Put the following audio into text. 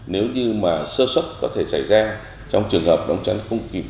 nếu như mà sơ sốc có thể xảy ra trong trường hợp đồng chắn không kịp